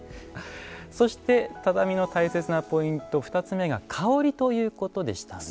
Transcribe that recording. そして畳の大切なポイント２つ目が香りということでしたね。